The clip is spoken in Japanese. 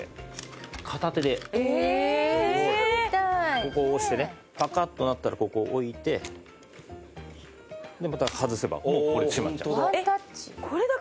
ここを押してねパカッとなったらここ置いてでまた外せばもうこれで閉まっちゃう。